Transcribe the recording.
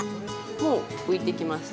もう浮いてきました。